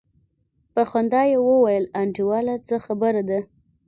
په خندا يې وويل انډيواله څه خبره ده.